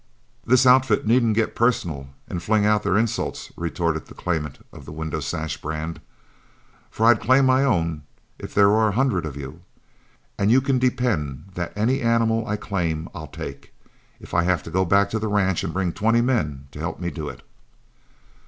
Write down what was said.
"This outfit needn't get personal and fling out their insults," retorted the claimant of the "Window Sash" brand, "for I'll claim my own if there were a hundred of you. And you can depend that any animal I claim, I'll take, if I have to go back to the ranch and bring twenty men to help me do it."